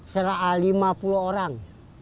serah lima puluh orang